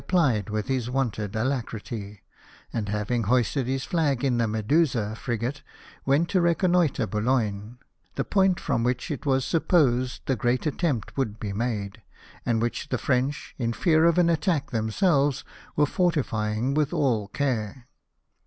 plied with his wonted alacrity, and having hoisted his flag in the Medusa i'rigate, went to reconnoitre Boulogne, the point from v/hich it was supposed the great attempt would be made, and which the French, in fear of an attack themselves, were fortifying with all care.